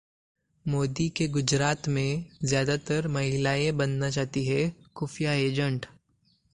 मोदी के गुजरात में ज्यादातर महिलाएं बनना चाहती हैं खुफिया एजेंट